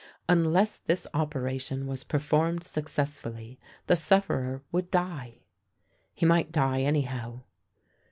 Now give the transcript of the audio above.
Unless this opera tion was performed successfully the sufiferer would die — he might die anyhow.